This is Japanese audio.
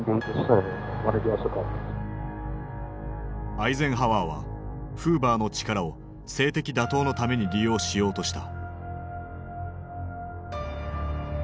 アイゼンハワーはフーバーの力を政敵打倒のために利用しようとした。